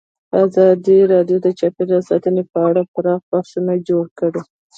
ازادي راډیو د چاپیریال ساتنه په اړه پراخ بحثونه جوړ کړي.